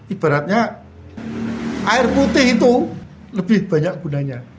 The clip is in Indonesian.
ibaratnya air putih itu lebih banyak gunanya